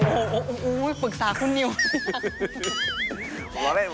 โอ้โฮปรึกษาคุณนิวไม่ได้ครับ